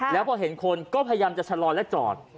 แล้วพอเห็นคนก็พยายามจะชะลอและจอด